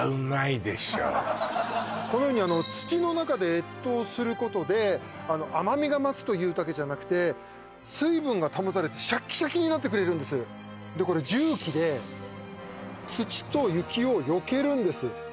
このように土の中で越冬することで甘みが増すというだけじゃなくて水分が保たれてシャキシャキになってくれるんですでこれ重機で土と雪をよけるんです